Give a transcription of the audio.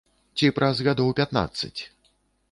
Ці праз гадоў пятнаццаць?